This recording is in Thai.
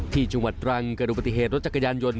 ที่จังหวัดตรังเกิดดูปฏิเหตุรถจักรยานยนต